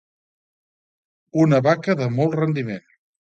Una vaca de molt rendiment.